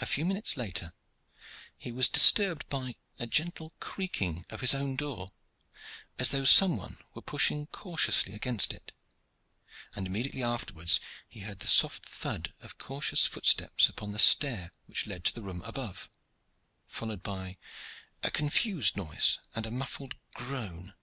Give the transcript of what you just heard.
A few minutes later he was disturbed by a gentle creaking of his own door, as though some one were pushing cautiously against it, and immediately afterwards he heard the soft thud of cautious footsteps upon the stair which led to the room above, followed by a confused noise and a muffled groan.